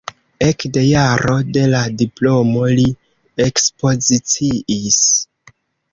Ekde jaro de la diplomo li ekspoziciis.